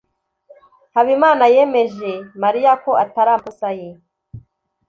habimana yemeje mariya ko atari amakosa ye